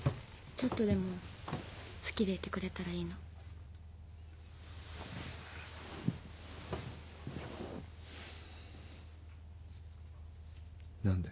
ちょっとでも好きでいてくれたらいいの。何で？